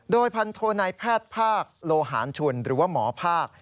โดยพันโทนายแพทย์ภาคโลหารชุนหรือว่าหมอภาค